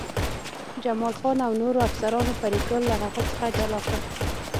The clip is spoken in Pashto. جمال خان او نورو افسرانو فریدګل له هغه څخه جلا کړ